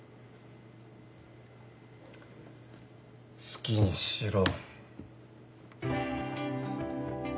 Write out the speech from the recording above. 好きにしろ。